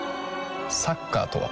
サッカーとは？